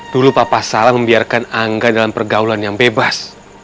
dulu papa salah membiarkan angga dalam pergaulan yang bebas